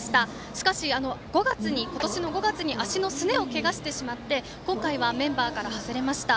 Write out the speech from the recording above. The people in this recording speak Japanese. しかし今年５月に足のすねをけがしてしまって今回はメンバーから外れました。